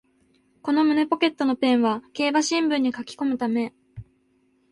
この胸ポケットのペンは競馬新聞に書きこむため